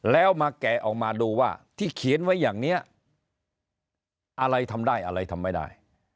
แล้วมาแกะออกมาดูว่าที่เขียนไว้อย่างนี้อะไรทำได้อะไรทำไม่ได้